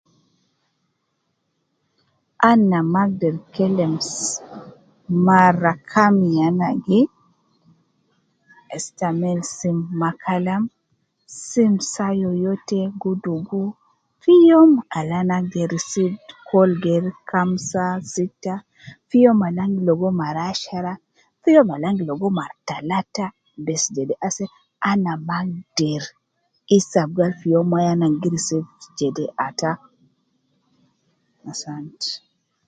Ana maa agder kelem ss mara kam ya ana gi istamil simu. Ma Kalam sim saa yoyote gi dugu fi youm Al ana agder receive call Geri kamsa sitta, fi youm Al ana agder ligo mara ashara, fi youm Al ana gi ligo mara talata bes jede ase ana maa agder kelem fi youm ana gi ligo mar ajede. Asantai